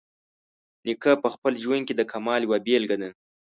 نیکه په خپل ژوند کې د کمال یوه بیلګه ده.